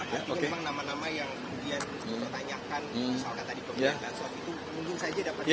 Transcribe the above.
tapi memang nama nama yang dia tanyakan soal kata dikomitmen soal itu